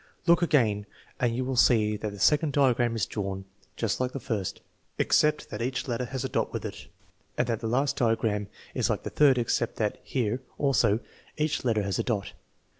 Look again and you will see that the second diagram is drawn just like the first, except that each letter has a dot with it, and that the last diagram is like the third except that here, also, each letter has a dot.